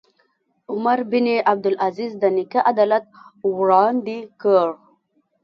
عمر بن عبدالعزیز د نیکه عدالت وړاندې کړ.